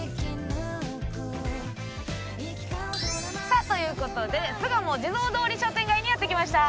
さあという事で巣鴨地蔵通り商店街にやって来ました！